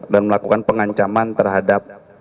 dan melakukan pengancaman terhadap